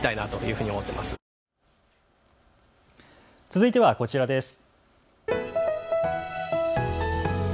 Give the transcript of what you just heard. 続いてはこちらです。